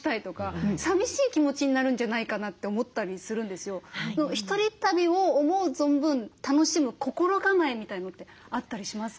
楽しければ楽しいほど１人旅を思う存分楽しむ心構えみたいのってあったりしますか？